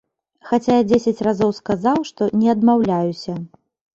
Хаця я дзесяць разоў сказаў, што не адмаўляюся.